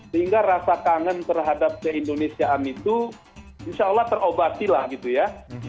sehingga rasa kangen terhadap keindonesiaan itu insya allah terobati lah gitu ya